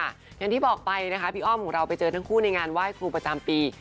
อย่างที่บอกไปนะคะพี่อ้อมของเราไปเจอทั้งคู่ในงานไหว้ครูประจำปี